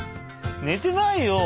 ねてないよ？